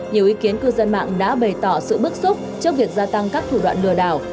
nhiều ý kiến cư dân mạng đã bày tỏ sự bức xúc trước việc gia tăng các thủ đoạn lừa đảo